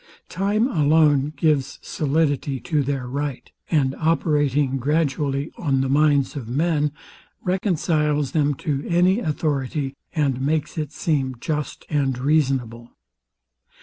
Time alone gives solidity to their right; and operating gradually on the minds of men, reconciles them to any authority, and makes it seem just and reasonable.